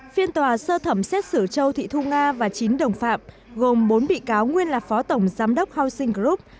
phiên tòa sơ thẩm xét xử châu thị thu nga và chín đồng phạm gồm bốn bị cáo nguyên là phó tổng giám đốc housing group